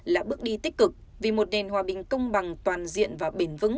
là bước đi tích cực vì một nền hòa bình công bằng toàn diện và bền vững